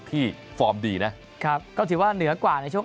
ฟอร์มดีนะครับก็ถือว่าเหนือกว่าในช่วง